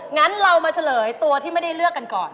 งั้นเรามาเฉลยตัวที่ไม่ได้เลือกกันก่อน